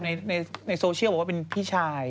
ในโซเชียลบอกว่าเป็นพี่ชาย